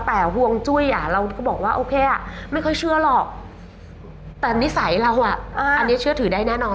แต่ห่วงจุ้ยเราก็บอกว่าโอเคไม่ค่อยเชื่อหรอกแต่นิสัยเราอันนี้เชื่อถือได้แน่นอน